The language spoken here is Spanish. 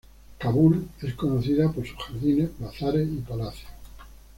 Kabul es conocida por sus jardines, bazares y palacios.